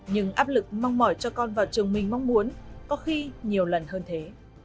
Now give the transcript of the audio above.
nhưng áp lực mong mỏi cho con vào trường mình mong muốn có khi nhiều lần hơn thế